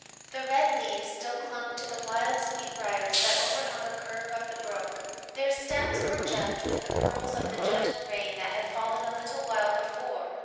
The red leaves still clung to the wild sweet briars that overhung a curve of the brook; their stems were gemmed with the pearls of the gentle rain that had fallen a little while before.